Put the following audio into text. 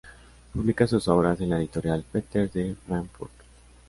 Publica sus obras en la editorial Peters de Frankfurt.